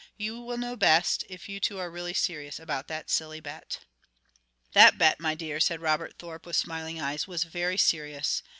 "You will know best, if you two are really serious about that silly bet." "That bet, my dear," said Robert Thorpe with smiling eyes, "was very serious